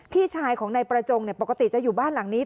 พี่ชายของนายประจงปกติจะอยู่บ้านหลังนี้